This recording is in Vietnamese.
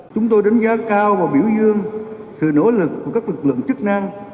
chúng tôi đánh giá cao và biểu dương sự nỗ lực của các lực lượng chức năng